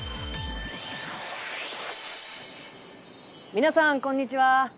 皆さんこんにちは。